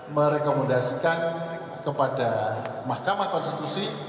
merekomendasikan kepada mahkamah konstitusi